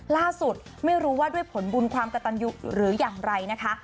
ไม่รู้ว่าด้วยผลบุญความกระตันยูหรืออย่างไรนะคะ